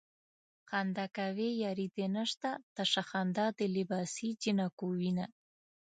خندا کوې ياري دې نشته تشه خندا د لباسې جنکو وينه